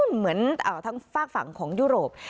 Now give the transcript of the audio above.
เหมือนทางฝากฝั่งของยุโรป